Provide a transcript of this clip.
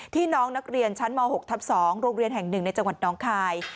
น้องนักเรียนชั้นม๖ทับ๒โรงเรียนแห่ง๑ในจังหวัดน้องคาย